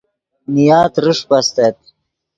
نیا ترݰپ استت